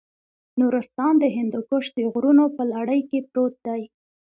نورستان د هندوکش د غرونو په لړۍ کې پروت دی.